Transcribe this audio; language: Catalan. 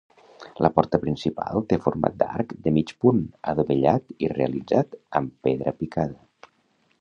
La porta principal té forma d'arc de mig punt, adovellat i realitzat amb pedra picada.